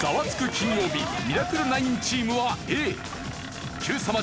金曜日ミラクル９チームはＡＱさま！！